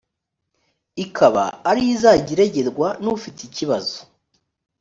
ikaba ariyo izajya iregerwa n ufite ikibazo